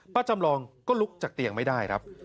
จำลองก็ลุกจากเตียงไม่ได้ครับ